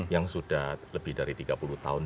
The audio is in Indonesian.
yang sudah lebih dari tiga puluh tahun